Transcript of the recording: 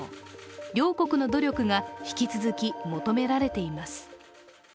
両国の努力が引き続き求められています。